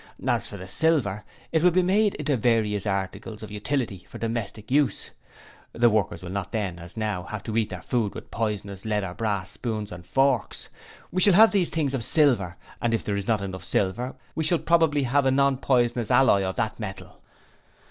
As for the silver, it will be made into various articles of utility for domestic use. The workers will not then, as now, have to eat their food with poisonous lead or brass spoons and forks, we shall have these things of silver and if there is not enough silver we shall probably have a non poisonous alloy of that metal.'